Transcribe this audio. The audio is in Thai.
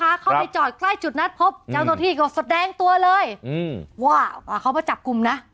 เข้าไปจอดใกล้จุดนัดพบเจ้าหน้าที่ก็แสดงตัวเลยอืมว่าอ่าเขามาจับกลุ่มนะ